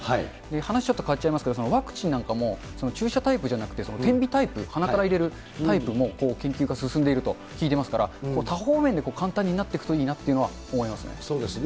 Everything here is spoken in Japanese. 話、ちょっと変わっちゃいますけど、ワクチンなんかも注射タイプじゃなくて点鼻タイプ、鼻から入れるタイプも研究が進んでいると聞いてますから、多方面で簡単になっていくといいなというのは思いますね。